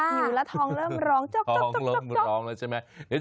หิวแล้วทองเริ่มร้องจ๊อก